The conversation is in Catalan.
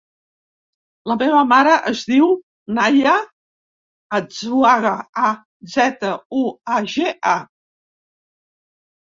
La meva mare es diu Naia Azuaga: a, zeta, u, a, ge, a.